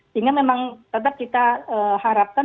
sehingga memang tetap kita harapkan